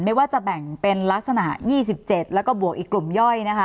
ไม่ว่าจะแบ่งเป็นลักษณะ๒๗แล้วก็บวกอีกกลุ่มย่อยนะคะ